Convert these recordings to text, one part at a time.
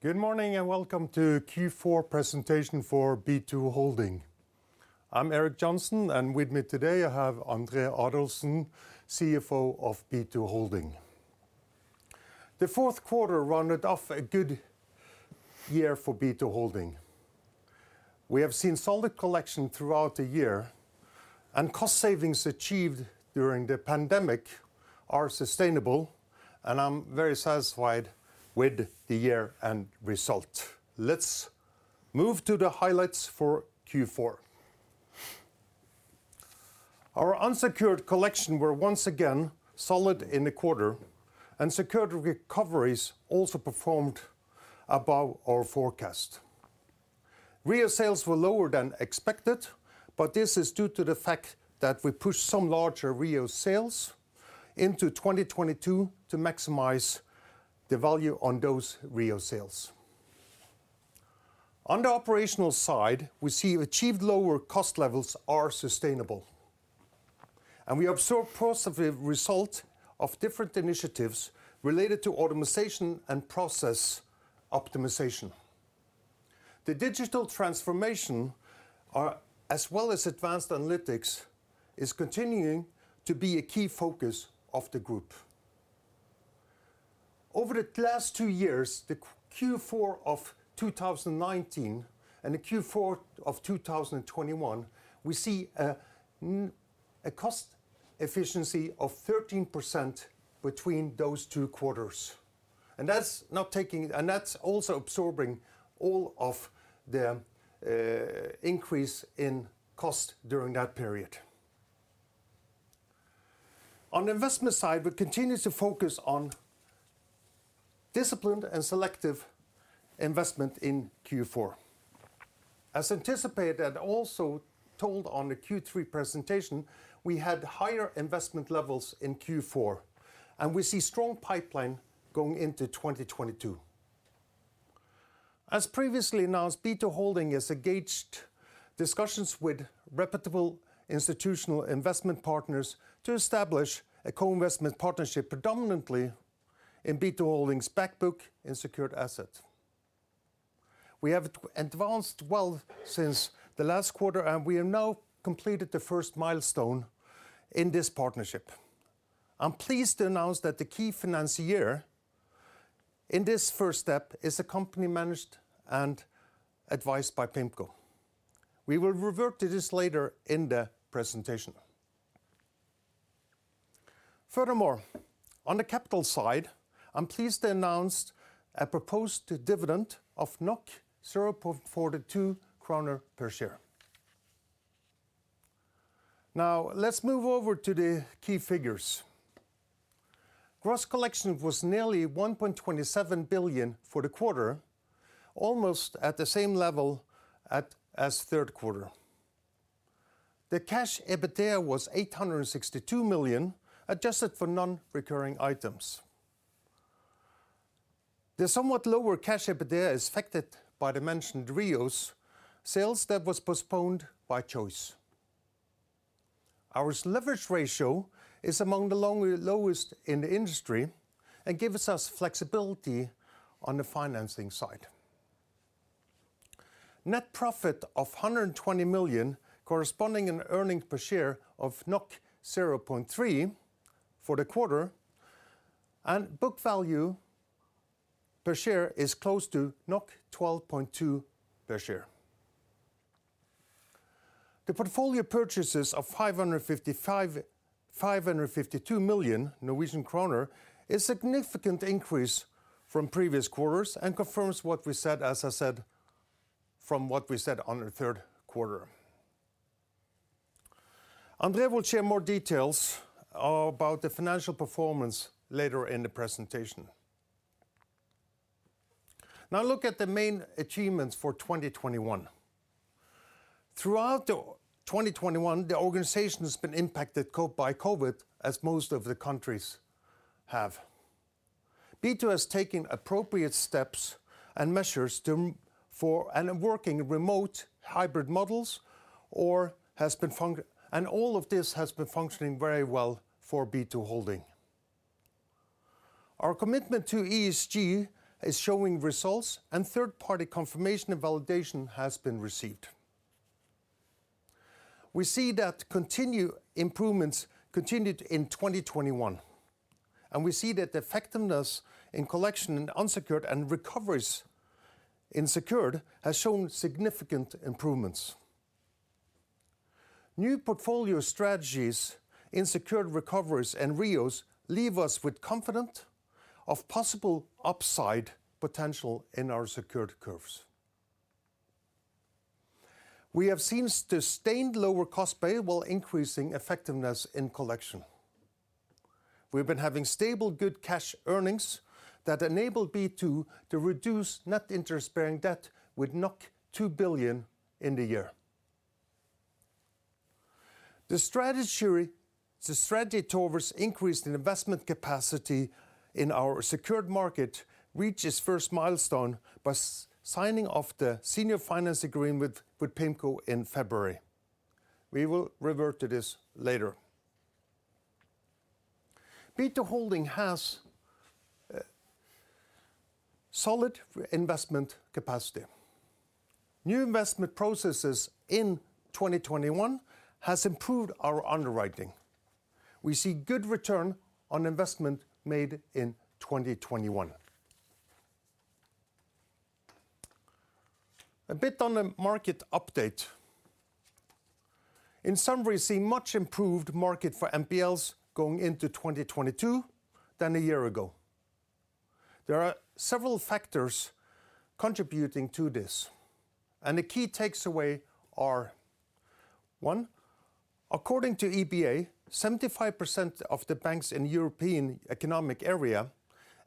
Good morning and welcome to Q4 Presentation for B2Holding. I'm Erik Just Johnsen, and with me today I have André Adolfsen, CFO of B2Holding. The fourth quarter rounded off a good year for B2Holding. We have seen solid collection throughout the year and cost savings achieved during the pandemic are sustainable, and I'm very satisfied with the year-end result. Let's move to the highlights for Q4. Our unsecured collection were once again solid in the quarter and secured recoveries also performed above our forecast. REO sales were lower than expected, but this is due to the fact that we pushed some larger REO sales into 2022 to maximize the value on those REO sales. On the operational side, we see achieved lower cost levels are sustainable, and we observe positive result of different initiatives related to automation and process optimization. The digital transformation as well as advanced analytics is continuing to be a key focus of the group. Over the last two years, the Q4 of 2019 and the Q4 of 2021, we see a cost efficiency of 13% between those two quarters. That's also absorbing all of the increase in cost during that period. On investment side, we continue to focus on disciplined and selective investment in Q4. As anticipated and also told on the Q3 presentation, we had higher investment levels in Q4, and we see strong pipeline going into 2022. As previously announced, B2Holding has engaged discussions with reputable institutional investment partners to establish a co-investment partnership predominantly in B2Holding's back book in secured assets. We have advanced well since the last quarter, and we have now completed the first milestone in this partnership. I'm pleased to announce that the key financier in this first step is a company managed and advised by PIMCO. We will revert to this later in the presentation. Furthermore, on the capital side, I'm pleased to announce a proposed dividend of 0.42 kroner per share. Now, let's move over to the key figures. Gross collections was nearly 1.27 billion for the quarter, almost at the same level as third quarter. The Cash EBITDA was 862 million, adjusted for non-recurring items. The somewhat lower Cash EBITDA is affected by the mentioned REO sales that was postponed by choice. Our leverage ratio is among the lowest in the industry and gives us flexibility on the financing side. Net profit of 120 million, corresponding to an earnings per share of 0.3 for the quarter, and book value per share is close to 12.2 per share. The portfolio purchases of 552 million Norwegian kroner is significant increase from previous quarters and confirms what we said on the third quarter. André will share more details about the financial performance later in the presentation. Now look at the main achievements for 2021. Throughout 2021, the organization has been impacted by COVID as most of the countries have. B2 has taken appropriate steps and measures, and working remote hybrid models has been functioning very well for B2Holding. Our commitment to ESG is showing results and third-party confirmation and validation has been received. We see continued improvements in 2021, and we see that the effectiveness in unsecured collections and secured recoveries has shown significant improvements. New portfolio strategies in secured recoveries and REOs leave us with confidence in possible upside potential in our secured curves. We have seen sustained lower cost base while increasing effectiveness in collections. We've been having stable good cash earnings that enable B2Holding to reduce net interest-bearing debt by 2 billion in the year. The strategy towards increasing investment capacity in our secured market reached its first milestone by signing of the senior finance agreement with PIMCO in February. We will revert to this later. B2Holding has solid investment capacity. New investment processes in 2021 has improved our underwriting. We see good return on investment made in 2021. A bit on the market update. In summary, we see much improved market for NPLs going into 2022 than a year ago. There are several factors contributing to this, and the key takeaways are, one, according to EBA, 75% of the banks in European Economic Area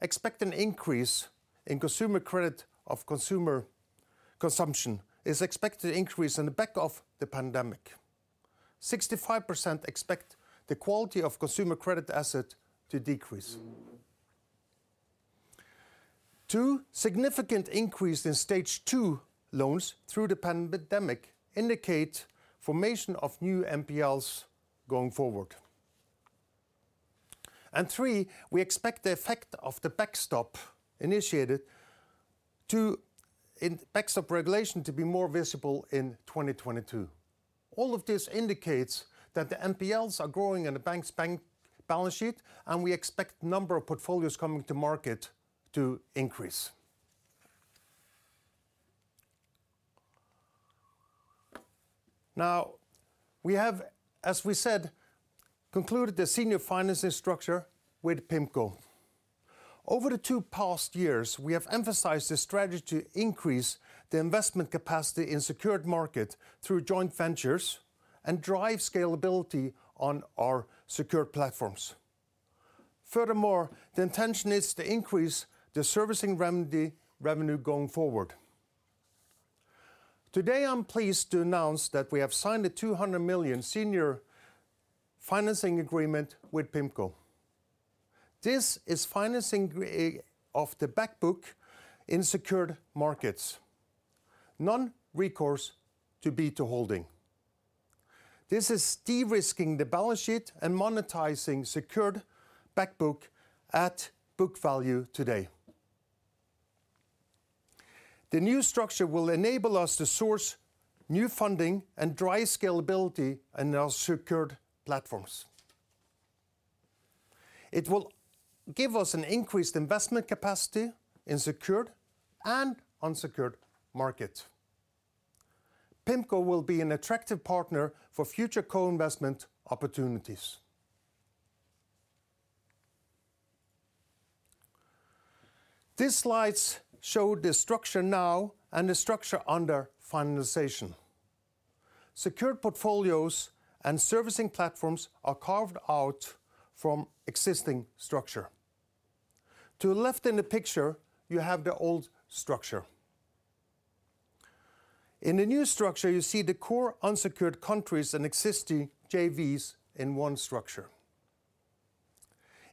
expect an increase in consumer credit. Consumer consumption is expected to increase in the wake of the pandemic. 65% expect the quality of consumer credit asset to decrease. Two, significant increase in Stage 2 loans through the pandemic indicate formation of new NPLs going forward. Three, we expect the effect of the backstop in backstop regulation to be more visible in 2022. All of this indicates that the NPLs are growing in the banks' balance sheet, and we expect number of portfolios coming to market to increase. We have, as we said, concluded the senior financing structure with PIMCO. Over the past two years, we have emphasized the strategy to increase the investment capacity in secured markets through joint ventures and drive scalability on our secured platforms. Furthermore, the intention is to increase the servicing revenue going forward. Today, I'm pleased to announce that we have signed a 200 million senior financing agreement with PIMCO. This is financing of the back book in secured markets, non-recourse to B2Holding. This is de-risking the balance sheet and monetizing secured back book at book value today. The new structure will enable us to source new funding and drive scalability in our secured platforms. It will give us an increased investment capacity in secured and unsecured markets. PIMCO will be an attractive partner for future co-investment opportunities. These slides show the structure now and the structure under finalization. Secured portfolios and servicing platforms are carved out from existing structure. To the left in the picture, you have the old structure. In the new structure, you see the core unsecured countries and existing JVs in one structure.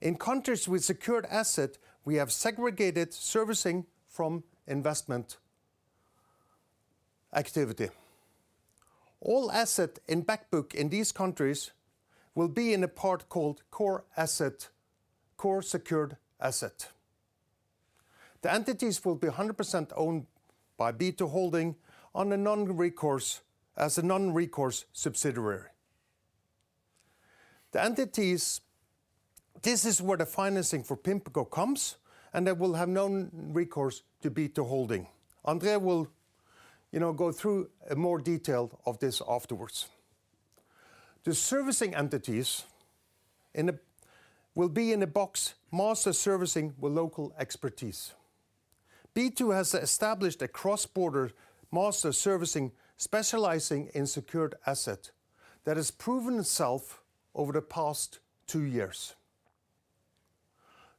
In countries with secured asset, we have segregated servicing from investment activity. All asset in back book in these countries will be in a part called core asset, core secured asset. The entities will be 100% owned by B2Holding as a non-recourse subsidiary. The entities, this is where the financing for PIMCO comes, and they will have no recourse to B2Holding. André will, you know, go through more detail of this afterwards. The servicing entities will be in a box master servicing with local expertise. B2 has established a cross-border master servicing specializing in secured asset that has proven itself over the past two years.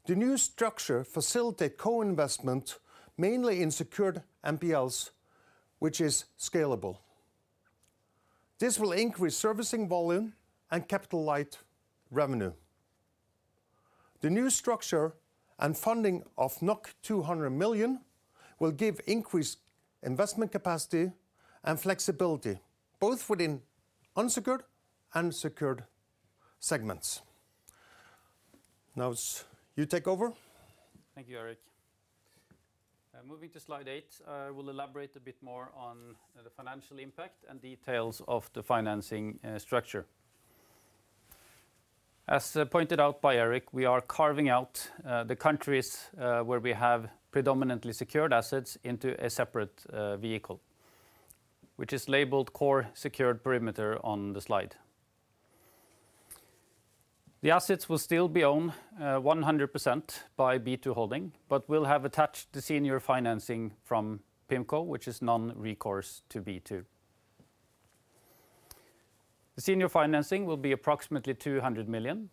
The new structure facilitate co-investment mainly in secured NPLs, which is scalable. This will increase servicing volume and capital-light revenue. The new structure and funding of 200 million will give increased investment capacity and flexibility, both within unsecured and secured segments. Now, you take over. Thank you, Erik. Moving to slide eight, we'll elaborate a bit more on the financial impact and details of the financing structure. As pointed out by Erik, we are carving out the countries where we have predominantly secured assets into a separate vehicle, which is labeled Core Secured Perimeter on the slide. The assets will still be owned 100% by B2Holding ASA, but we'll have attached the senior financing from PIMCO, which is non-recourse to B2. The senior financing will be approximately 200 million,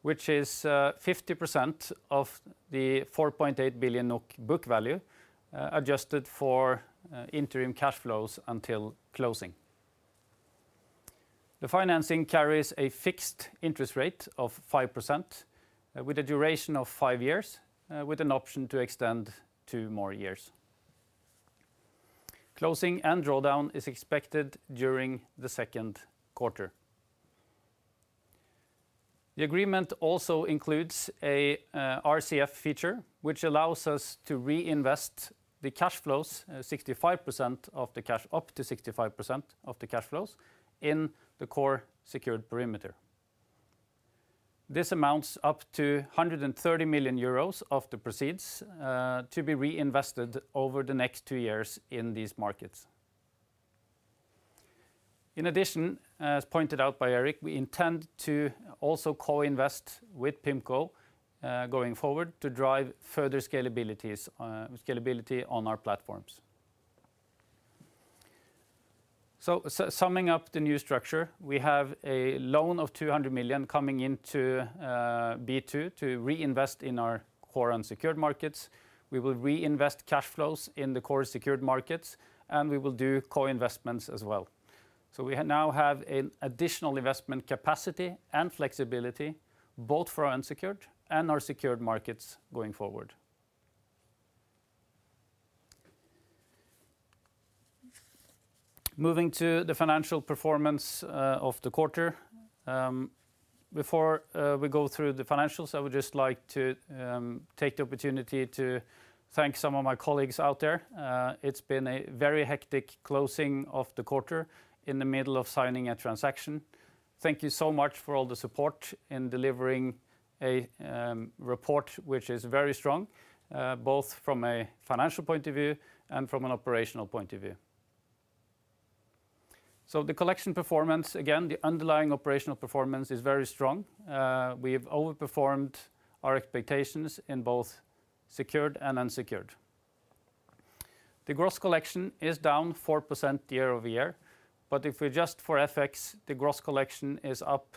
which is 50% of the 4.8 billion book value, adjusted for interim cash flows until closing. The financing carries a fixed interest rate of 5%, with a duration of five years, with an option to extend two more years. Closing and drawdown is expected during the second quarter. The agreement also includes a RCF feature, which allows us to reinvest the cash flows, 65% of the cash, up to 65% of the cash flows in the Core Secured Perimeter. This amounts up to 130 million euros of the proceeds, to be reinvested over the next two years in these markets. In addition, as pointed out by Erik, we intend to also co-invest with PIMCO, going forward to drive further scalability on our platforms. Summing up the new structure, we have a loan of 200 million coming into B2 to reinvest in our core unsecured markets. We will reinvest cash flows in the core secured markets, and we will do co-investments as well. We now have an additional investment capacity and flexibility both for our unsecured and our secured markets going forward. Moving to the financial performance of the quarter. Before we go through the financials, I would just like to take the opportunity to thank some of my colleagues out there. It's been a very hectic closing of the quarter in the middle of signing a transaction. Thank you so much for all the support in delivering a report which is very strong, both from a financial point of view and from an operational point of view. The collection performance, again, the underlying operational performance is very strong. We've overperformed our expectations in both secured and unsecured. The gross collection is down 4% year-over-year, but if we adjust for FX, the gross collection is up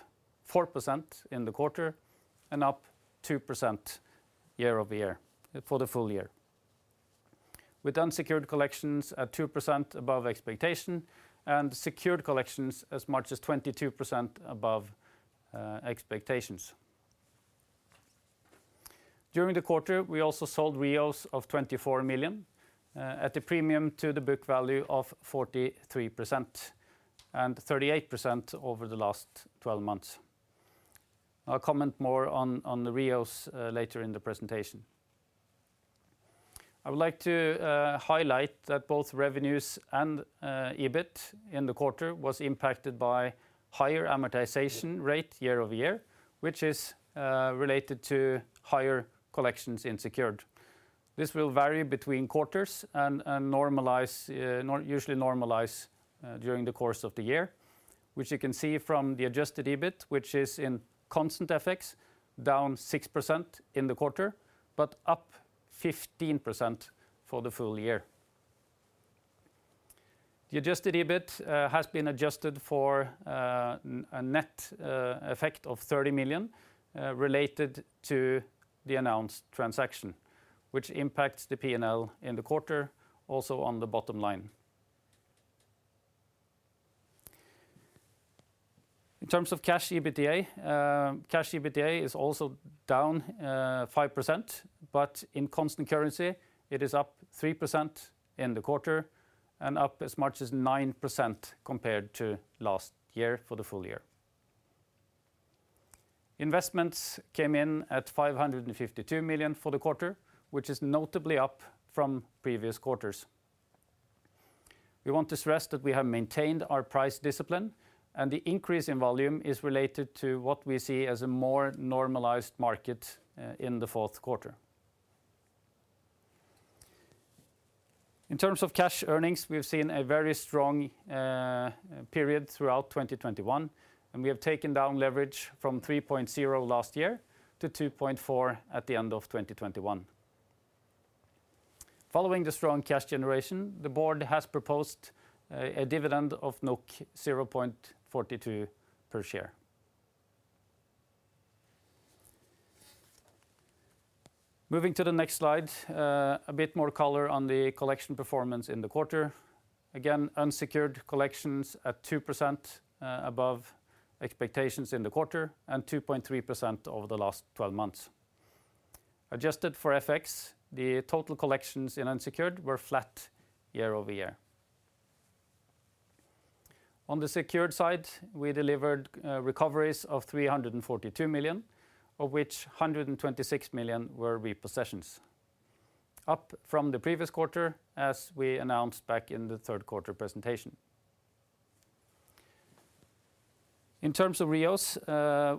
4% in the quarter and up 2% year-over-year for the full year. With unsecured collections at 2% above expectation and secured collections as much as 22% above expectations. During the quarter, we also sold REOs of 24 million at a premium to the book value of 43% and 38% over the last 12 months. I'll comment more on the REOs later in the presentation. I would like to highlight that both revenues and EBIT in the quarter was impacted by higher amortization rate year-over-year, which is related to higher collections in secured. This will vary between quarters and normalize usually during the course of the year, which you can see from the adjusted EBIT, which is in constant FX, down 6% in the quarter, but up 15% for the full year. The adjusted EBIT has been adjusted for a net effect of 30 million related to the announced transaction, which impacts the P&L in the quarter also on the bottom line. In terms of cash EBITDA, cash EBITDA is also down 5%, but in constant currency, it is up 3% in the quarter and up as much as 9% compared to last year for the full year. Investments came in at 552 million for the quarter, which is notably up from previous quarters. We want to stress that we have maintained our price discipline, and the increase in volume is related to what we see as a more normalized market in the fourth quarter. In terms of cash earnings, we've seen a very strong period throughout 2021, and we have taken down leverage from 3.0 last year to 2.4 at the end of 2021. Following the strong cash generation, the board has proposed a dividend of 0.42 per share. Moving to the next slide, a bit more color on the collection performance in the quarter. Again, unsecured collections at 2% above expectations in the quarter and 2.3% over the last 12 months. Adjusted for FX, the total collections in unsecured were flat year-over-year. On the secured side, we delivered recoveries of 342 million, of which 126 million were repossessions, up from the previous quarter as we announced back in the third quarter presentation. In terms of REOs,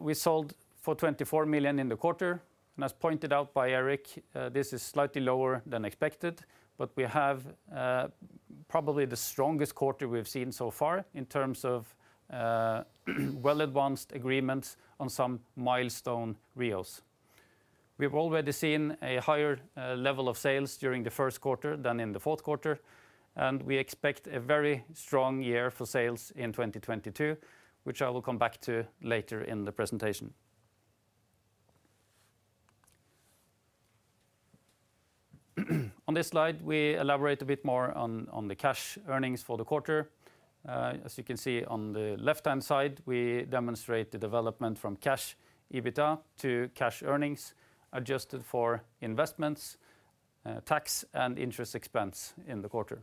we sold for 24 million in the quarter. As pointed out by Eric, this is slightly lower than expected, but we have probably the strongest quarter we've seen so far in terms of well-advanced agreements on some milestone REOs. We've already seen a higher level of sales during the first quarter than in the fourth quarter, and we expect a very strong year for sales in 2022, which I will come back to later in the presentation. On this slide, we elaborate a bit more on the cash earnings for the quarter. As you can see on the left-hand side, we demonstrate the development from cash EBITDA to cash earnings adjusted for investments, tax and interest expense in the quarter.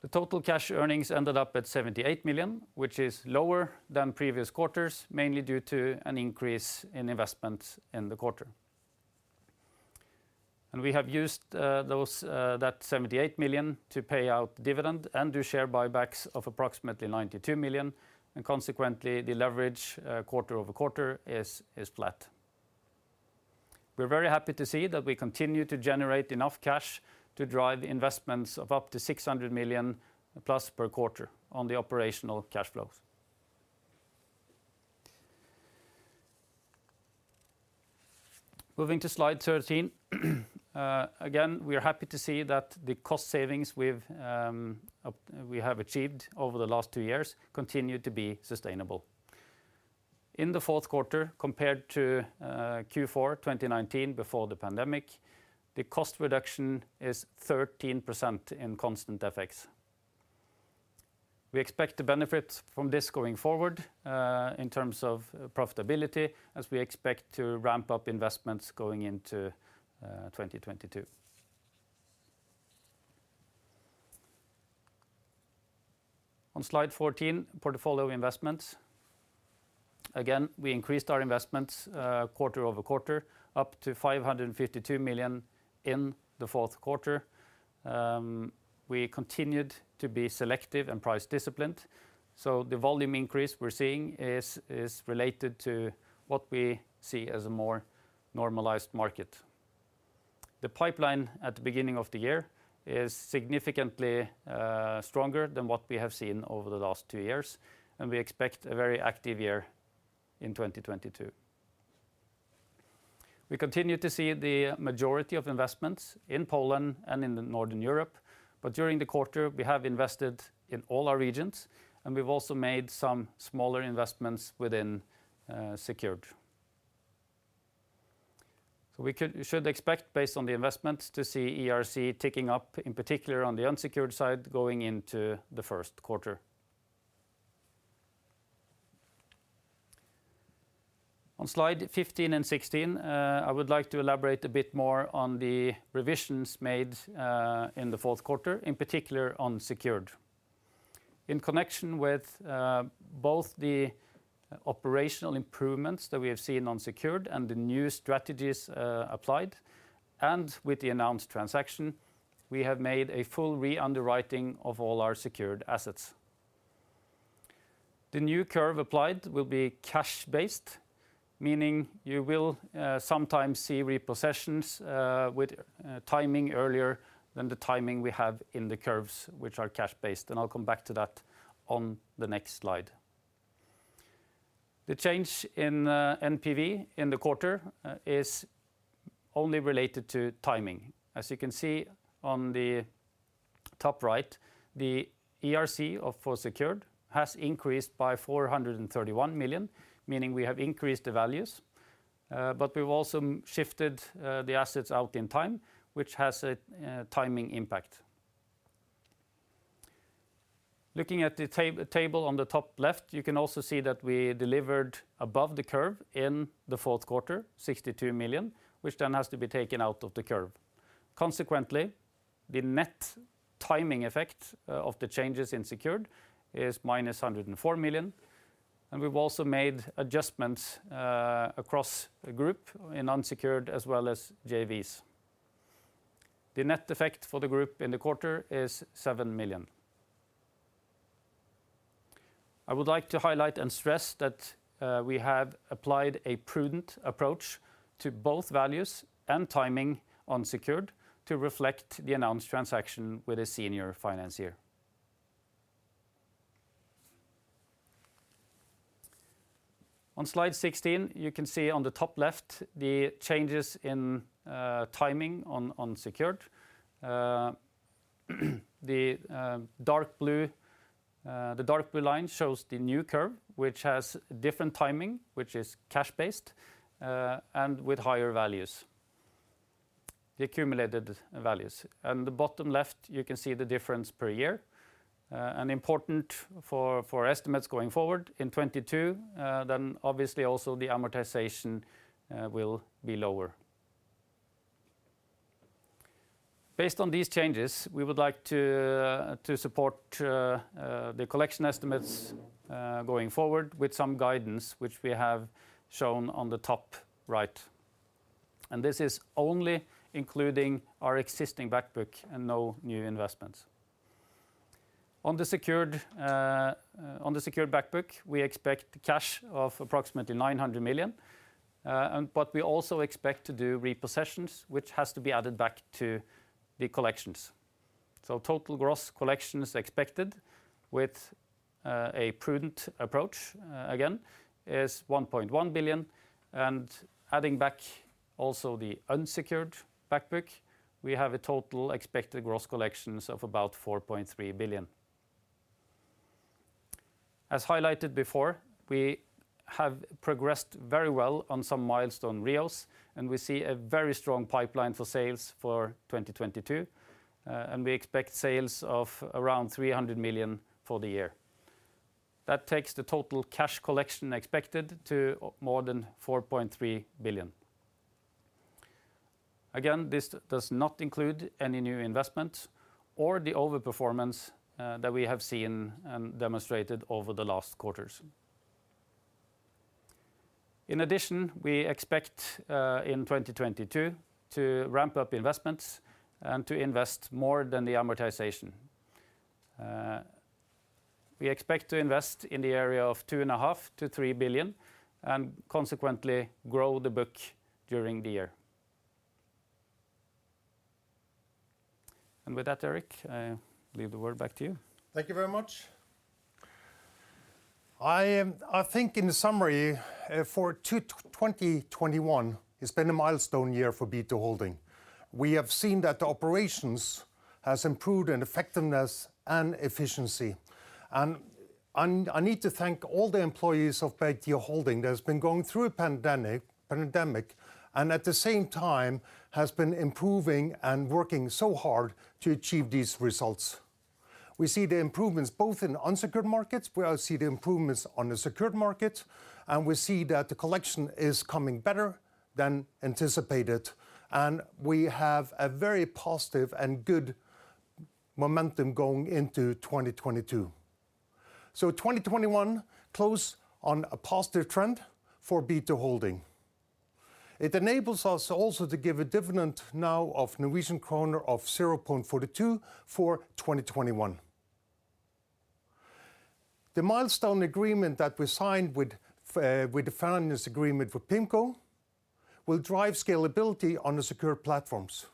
The total cash earnings ended up at 78 million, which is lower than previous quarters, mainly due to an increase in investments in the quarter. We have used that 78 million to pay out dividend and do share buybacks of approximately 92 million, and consequently, the leverage quarter-over-quarter is flat. We're very happy to see that we continue to generate enough cash to drive investments of up to 600 million-plus per quarter on the operational cash flows. Moving to slide 13. Again, we are happy to see that the cost savings we have achieved over the last two years continue to be sustainable. In the fourth quarter compared to Q4 2019 before the pandemic, the cost reduction is 13% in constant FX. We expect to benefit from this going forward in terms of profitability as we expect to ramp up investments going into 2022. On slide 14, portfolio investments. Again, we increased our investments quarter-over-quarter, up to 552 million in the fourth quarter. We continued to be selective and price disciplined, so the volume increase we're seeing is related to what we see as a more normalized market. The pipeline at the beginning of the year is significantly stronger than what we have seen over the last two years, and we expect a very active year in 2022. We continue to see the majority of investments in Poland and in Northern Europe, but during the quarter, we have invested in all our regions, and we've also made some smaller investments within secured. We should expect based on the investments to see ERC ticking up, in particular on the unsecured side, going into the first quarter. On slide 15 and 16, I would like to elaborate a bit more on the revisions made in the fourth quarter, in particular on secured. In connection with both the operational improvements that we have seen on secured and the new strategies applied, and with the announced transaction, we have made a full re-underwriting of all our secured assets. The new curve applied will be cash-based, meaning you will sometimes see repossessions with timing earlier than the timing we have in the curves which are cash-based, and I'll come back to that on the next slide. The change in NPV in the quarter is only related to timing. As you can see on the top right, the ERC for secured has increased by 431 million, meaning we have increased the values, but we've also shifted the assets out in time, which has a timing impact. Looking at the table on the top left, you can also see that we delivered above the curve in the fourth quarter 62 million, which then has to be taken out of the curve. Consequently, the net timing effect of the changes in secured is minus 104 million, and we've also made adjustments across the group in unsecured as well as JVs. The net effect for the group in the quarter is 7 million. I would like to highlight and stress that we have applied a prudent approach to both values and timing on secured to reflect the announced transaction with a senior financier. On slide 16, you can see on the top left the changes in timing on secured. The dark blue line shows the new curve, which has different timing, which is cash-based, and with higher values, the accumulated values. On the bottom left, you can see the difference per year, and, important for estimates going forward in 2022, then obviously also the amortization will be lower. Based on these changes, we would like to support the collection estimates going forward with some guidance which we have shown on the top right, and this is only including our existing back book and no new investments. On the secured back book, we expect cash of approximately 900 million, but we also expect to do repossessions which has to be added back to the collections. Total gross collections expected with a prudent approach, again, is 1.1 billion, and adding back also the unsecured back book, we have a total expected gross collections of about 4.3 billion. As highlighted before, we have progressed very well on some milestone REOs, and we see a very strong pipeline for sales for 2022. We expect sales of around 300 million for the year. That takes the total cash collection expected to more than 4.3 billion. Again, this does not include any new investments or the over-performance that we have seen and demonstrated over the last quarters. In addition, we expect in 2022 to ramp up investments and to invest more than the amortization. We expect to invest in the area of 2.5-3 billion and consequently grow the book during the year. With that, Erik, I leave the word back to you. Thank you very much. I think in summary, for 2021, it's been a milestone year for B2Holding ASA. We have seen that the operations has improved in effectiveness and efficiency. I need to thank all the employees of B2Holding ASA that has been going through a pandemic and at the same time has been improving and working so hard to achieve these results. We see the improvements both in unsecured markets, we also see the improvements on the secured market, and we see that the collection is coming better than anticipated, and we have a very positive and good momentum going into 2022. 2021 closed on a positive trend for B2Holding ASA. It enables us also to give a dividend now of 0.42 Norwegian kroner for 2021. The milestone agreement that we signed with the finance agreement with PIMCO will drive scalability on the secured platforms.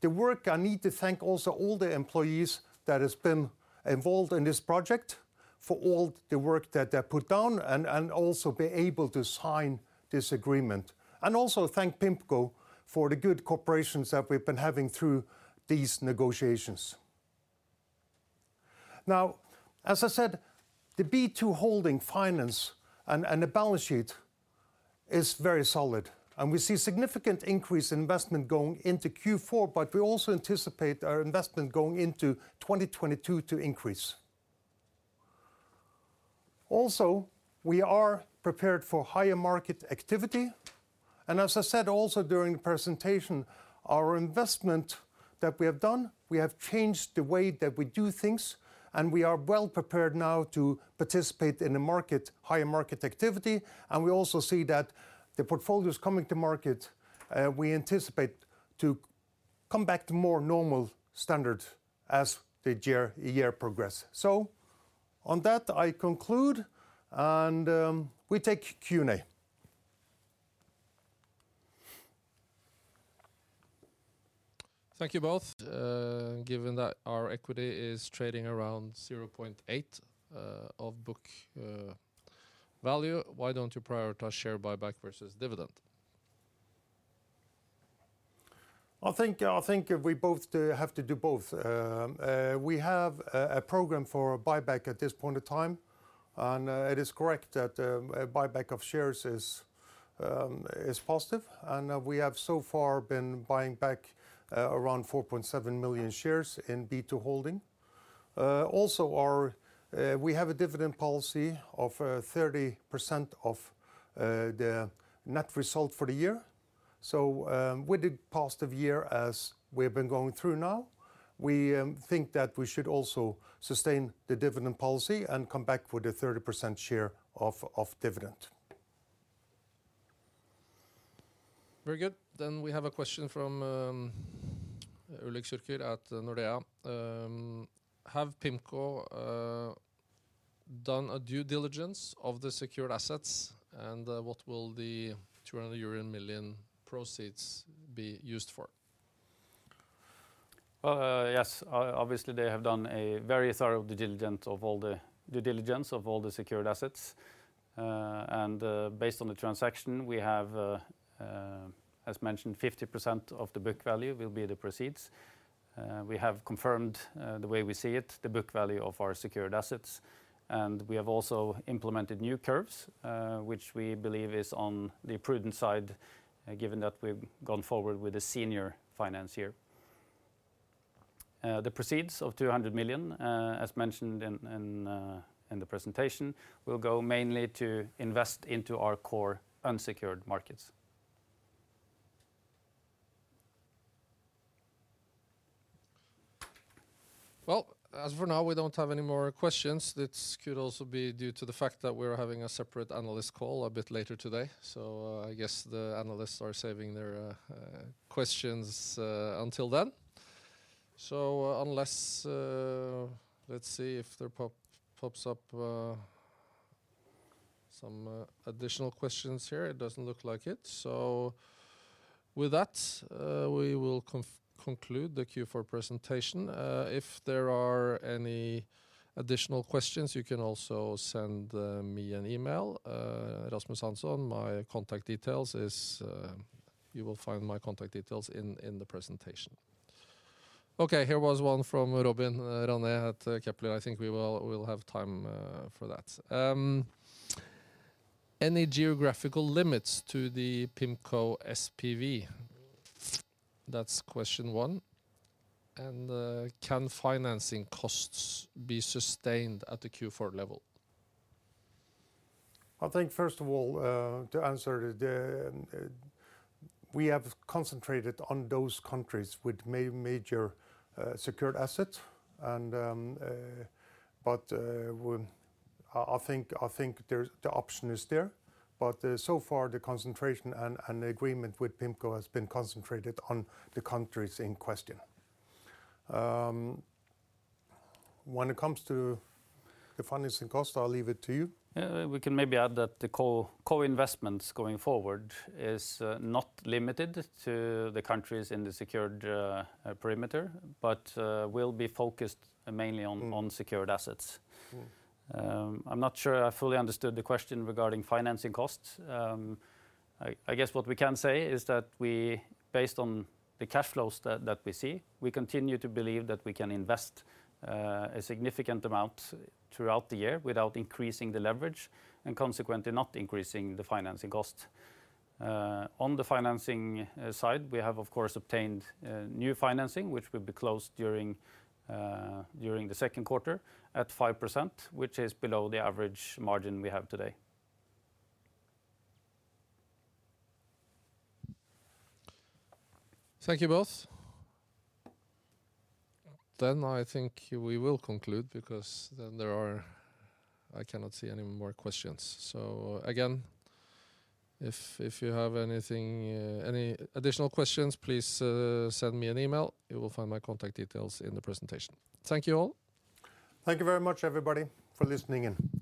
The work I need to thank also all the employees that has been involved in this project for all the work that they put down and also be able to sign this agreement. Also thank PIMCO for the good cooperation that we've been having through these negotiations. Now, as I said, the B2Holding ASA finance and the balance sheet is very solid, and we see significant increase in investment going into Q4, but we also anticipate our investment going into 2022 to increase. We are prepared for higher market activity. As I said also during the presentation, our investment that we have done, we have changed the way that we do things, and we are well prepared now to participate in the market, higher market activity. We also see that the portfolios coming to market, we anticipate to come back to more normal standards as the year progress. On that, I conclude and we take Q&A. Thank you both. Given that our equity is trading around 0.8 of book value, why don't you prioritize share buyback versus dividend? I think we both have to do both. We have a program for buyback at this point in time, and it is correct that a buyback of shares is positive. We have so far been buying back around 4.7 million shares in B2Holding ASA. Also, we have a dividend policy of 30% of the net result for the year. With the positive year as we have been going through now, we think that we should also sustain the dividend policy and come back with a 30% share of dividend. Very good. We have a question from Ulrik Zürcher at Nordea. Have PIMCO done a due diligence of the secured assets? And what will the 200 million proceeds be used for? Obviously they have done a very thorough due diligence of all the secured assets. Based on the transaction, we have, as mentioned, 50% of the book value will be the proceeds. We have confirmed the way we see it, the book value of our secured assets. We have also implemented new curves, which we believe is on the prudent side given that we've gone forward with a senior financing. The proceeds of 200 million, as mentioned in the presentation, will go mainly to invest into our core unsecured markets. Well, as for now, we don't have any more questions. This could also be due to the fact that we're having a separate analyst call a bit later today. I guess the analysts are saving their questions until then. Unless, let's see if there pops up some additional questions here. It doesn't look like it. With that, we will conclude the Q4 presentation. If there are any additional questions, you can also send me an email, Rasmus Hansson. My contact details is. You will find my contact details in the presentation. Okay, here was one from Robin Rane at Kepler. I think we'll have time for that. Any geographical limits to the PIMCO SPV? That's question one. Can financing costs be sustained at the Q4 level? I think first of all, to answer it, we have concentrated on those countries with major secured assets. I think the option is there, but so far the concentration and the agreement with PIMCO has been concentrated on the countries in question. When it comes to the financing cost, I'll leave it to you. We can maybe add that the co-investments going forward is not limited to the countries in the secured perimeter, but will be focused mainly on secured assets. I'm not sure I fully understood the question regarding financing costs. I guess what we can say is that we based on the cash flows that we see, we continue to believe that we can invest a significant amount throughout the year without increasing the leverage and consequently not increasing the financing cost. On the financing side, we have of course obtained new financing which will be closed during the second quarter at 5%, which is below the average margin we have today. Thank you both. I think we will conclude because I cannot see any more questions. Again, if you have anything, any additional questions, please send me an email. You will find my contact details in the presentation. Thank you all. Thank you very much everybody for listening in.